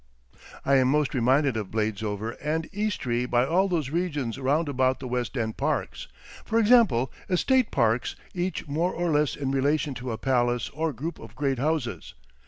I am most reminded of Bladesover and Eastry by all those regions round about the West End parks; for example, estate parks, each more or less in relation to a palace or group of great houses.